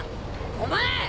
お前！